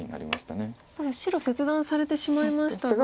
ただ白切断されてしまいましたが。